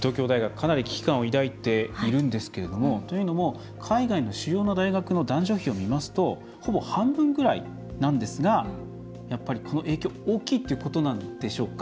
かなり危機感を抱いているんですけどというのも、海外の主要な大学の男女比を見ますとほぼ半分ぐらいなんですがやっぱり、この影響大きいということなんでしょうか。